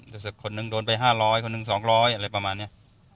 รู้สึกคนหนึ่งโดนไป๕๐๐คนหนึ่ง๒๐๐อะไรประมาณนี้